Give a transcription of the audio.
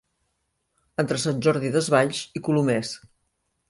Entre Sant Jordi Desvalls i Colomers.